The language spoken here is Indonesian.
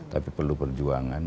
tapi perlu perjuangan